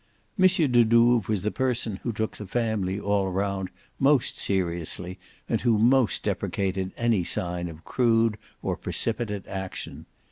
M. de Douves was the person who took the family, all round, most seriously and who most deprecated any sign of crude or precipitate action.